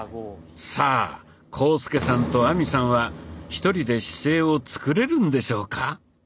さあ浩介さんと亜美さんは１人で姿勢を作れるんでしょうか？